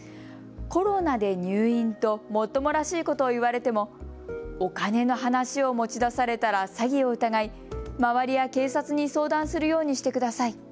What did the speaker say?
コロナで入院ともっともらしいことを言われてもお金の話を持ち出されたら詐欺を疑い周りや警察に相談するようにしてください。